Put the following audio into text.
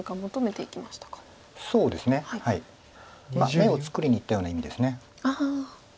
眼を作りにいったような意味です。